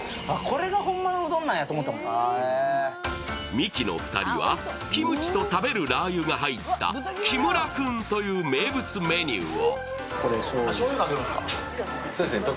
ミキの２人は、キムチと食べるラー油が入ったキムラ君という名物メニューを。